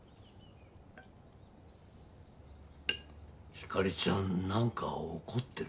ひかりちゃんなんか怒ってる？